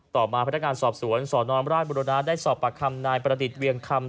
ต่อมาพนักงานสอบสวนสนราชบุรณะได้สอบปากคำนายประดิษฐ์เวียงคำ